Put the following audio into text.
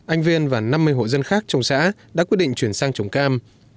anh viên và năm mươi hộ dân khác trong xã đã quyết định chuyển sang trồng cam